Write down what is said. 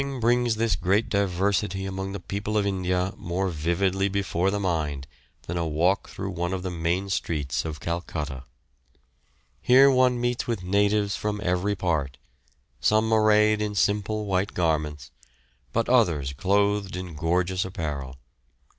Nothing brings this great diversity among the people of India more vividly before the mind than a walk through one of the main streets of Calcutta. Here one meets with natives from every part, some arrayed in simple white garments, but others clothed in gorgeous apparel.